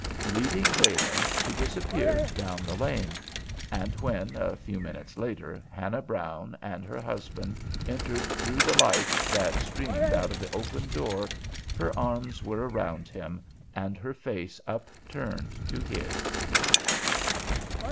Leading Balaam, she disappeared down the lane; and when, a few minutes later, Hannah Brown and her husband entered through the light that streamed out of the open door her arms were around him, and her face upturned to his.